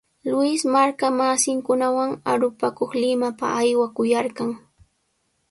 Luis marka masinkunawan arupakuq Limapa aywakuyarqan.